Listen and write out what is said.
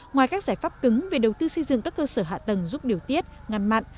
ngoài các giải pháp cứng về đầu tư xây dựng các cơ sở hạ tầng giúp điều tiết ngăn mặn